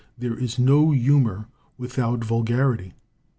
There is no humor without vulgarity.